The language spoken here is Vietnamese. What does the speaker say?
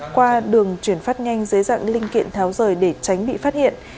qua đường chuyển phát nhanh dưới dạng linh kiện tháo rời để tránh bị phát hiện